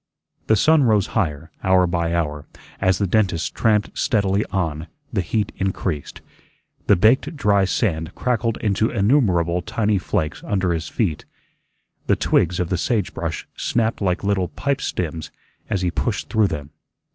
The sun rose higher; hour by hour, as the dentist tramped steadily on, the heat increased. The baked dry sand crackled into innumerable tiny flakes under his feet. The twigs of the sage brush snapped like brittle pipestems as he pushed through them.